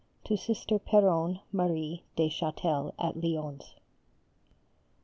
_To Sister Péronne Marie de Châtel at Lyons.